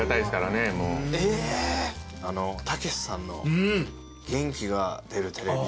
たけしさんの『元気が出るテレビ』